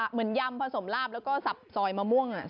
เหมือนยำผสมราบแล้วก็ซับสอยแมม่ม่วง